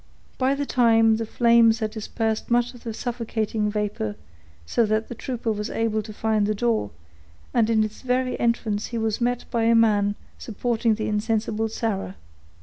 By this time the flames had dispersed much of the suffocating vapor, so that the trooper was able to find the door, and in its very entrance he was met by a man supporting the insensible Sarah.